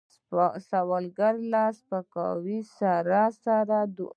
سوالګر له سپکاوي سره سره دعا کوي